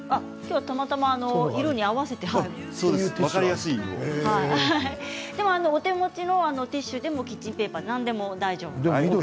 今日はたまたま緑に合わせてお手持ちのティッシュでもキッチンペーパーでも大丈夫です。